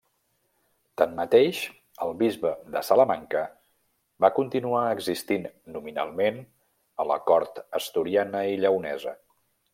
Tanmateix, el bisbe de Salamanca va continuar existint nominalment a la cort asturiana i lleonesa.